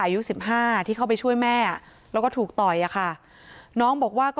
อายุสิบห้าที่เข้าไปช่วยแม่แล้วก็ถูกต่อยอะค่ะน้องบอกว่าก็